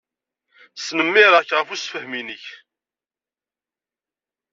Snemmireɣ-k ɣef ussefhem-inek.